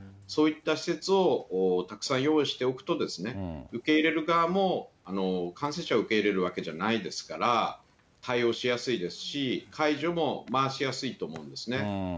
そういった施設をたくさん用意しておくと、受け入れる側も感染者を受け入れるわけじゃないですから、対応しやすいですし、介助も回しやすいと思うんですね。